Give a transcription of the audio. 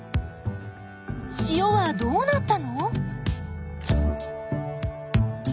塩はどうなったの？